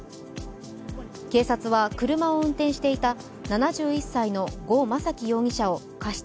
警察は車を運転していた７１歳の呉昌樹容疑者を過失